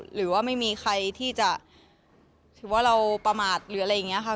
หรือว่าไม่มีใครที่จะถือว่าเราประมาทหรืออะไรอย่างนี้ค่ะ